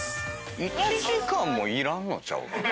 １時間もいらんのちゃうか。